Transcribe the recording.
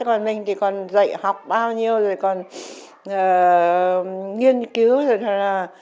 còn mình thì còn dạy học bao nhiêu rồi còn nghiên cứu rồi thật ra